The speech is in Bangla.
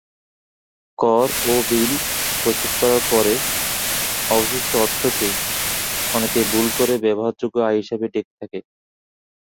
কর ও বিল পরিশোধ করার পরে অবশিষ্ট অর্থকে অনেকে ভুল করে ব্যবহারযোগ্য আয় হিসেবে ডেকে থাকে।